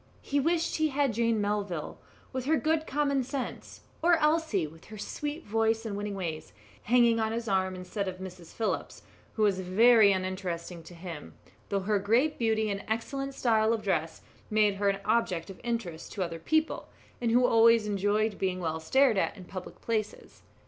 He wished he had had Jane Melville, with her good common sense, or Elsie, with her sweet voice and winning ways, hanging on his arm instead of Mrs. Phillips, who was very uninteresting to him, though her great beauty and excellent style of dress made her an object of interest to other people, and who always enjoyed being well stared at in public places.